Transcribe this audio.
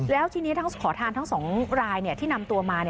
แล้วทีนี้ทั้งขอทานทั้ง๒รายที่นำตัวมา